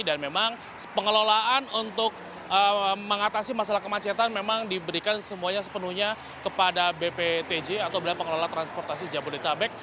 dan memang pengelolaan untuk mengatasi masalah kemacetan memang diberikan semuanya sepenuhnya kepada bptj atau pengelola transportasi japek